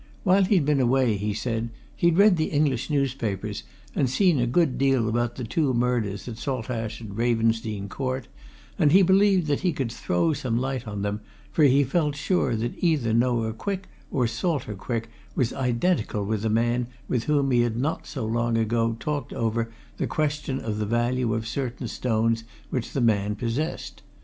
While he'd been away, he said, he'd read the English newspapers and seen a good deal about the two murders at Saltash and Ravensdene Court, and he believed that he could throw some light on them, for he felt sure that either Noah Quick or Salter Quick was identical with a man with whom he had not so long ago talked over the question of the value of certain stones which the man possessed.